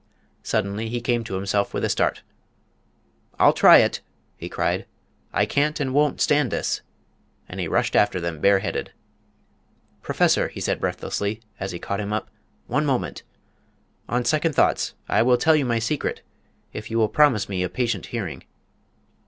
Suddenly he came to himself with a start. "I'll try it!" he cried. "I can't and won't stand this!" And he rushed after them bareheaded. "Professor!" he said breathlessly, as he caught him up, "one moment. On second thoughts, I will tell you my secret, if you will promise me a patient hearing."